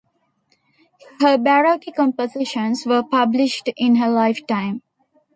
Her Baroque compositions were published in her lifetime.